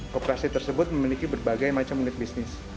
koperasi tersebut memiliki berbagai macam unit bisnis